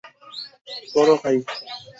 পড়ো, ভাই।